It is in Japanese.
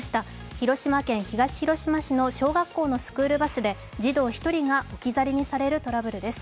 広島県東広島市の小学校のスクールバスで児童１人が置き去りにされるトラブルです。